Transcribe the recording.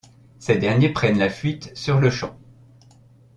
Ces derniers prennent la fuite sur-le-champ.